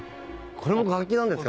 これも楽器なんですか？